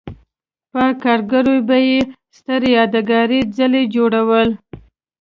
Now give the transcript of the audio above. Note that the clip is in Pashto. په کارګرو به یې ستر یادګاري څلي جوړول